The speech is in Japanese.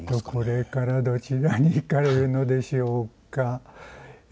これからどちらに行かれるのでしょうか。